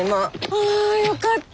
ああよかった。